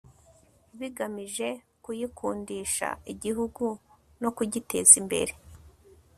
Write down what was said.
bigamije kuyikundisha igihugu no kugiteza imbere